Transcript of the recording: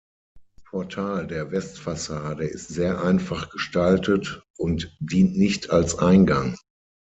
Das Portal der Westfassade ist sehr einfach gestaltet und dient nicht als Eingang.